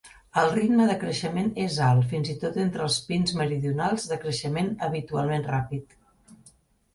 El ritme de creixement és alt, fins i tot entre els pins meridionals de creixement habitualment ràpid.